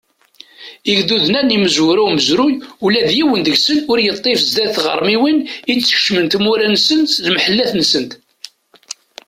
Igduden-a n imezwura umezruy, ula d yiwen deg-sen ur yeṭṭif sdat tɣermiwin i d-ikecmen timura-nsen s lemḥellat-nsent!